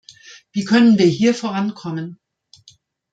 Wie können wir hier vorankommen?